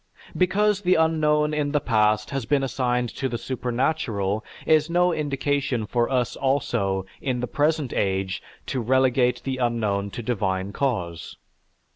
Because the unknown in the past has been assigned to the supernatural is no indication for us also, in the present age, to relegate the unknown to divine cause.